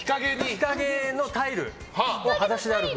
日陰のタイルをはだしで歩く。